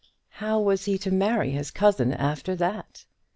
How was he to marry his cousin after that?